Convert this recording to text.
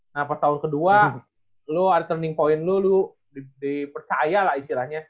nah pas tahun kedua lo ada turning point lo lo dipercaya lah istilahnya